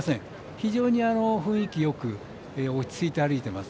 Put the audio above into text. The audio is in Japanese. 非常に雰囲気よく落ち着いて歩いています。